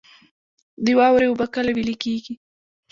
د واورې اوبه کله ویلی کیږي؟